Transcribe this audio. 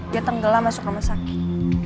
dia tenggelam masuk rumah sakit